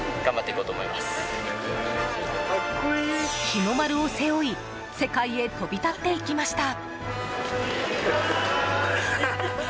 日の丸を背負い世界へ飛び立っていきました。